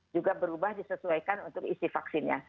juga berubah disesuaikan untuk isi vaksinnya